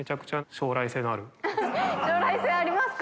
将来性ありますか？